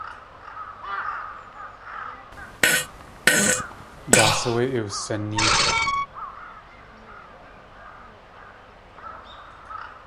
Daa sáwé iwsinéekw?